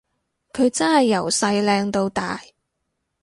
佢真係由細靚到大